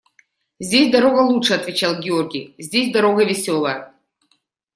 – Здесь дорога лучше, – отвечал Георгий, – здесь дорога веселая.